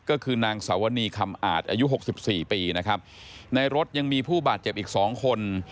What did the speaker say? ก็คือนางสาวนีคำอาจอายุหกสิบสี่ปีนะครับในรถยังมีผู้บาดเจ็บอีกสองคน